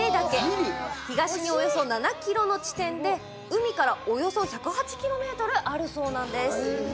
東に、およそ７ｋｍの地点で海から、およそ１０８ｋｍあるそうなんです。